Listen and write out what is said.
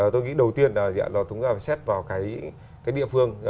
tôi nghĩ đầu tiên là chúng ta phải xét vào cái địa phương